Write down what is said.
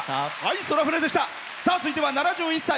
続いては、７１歳。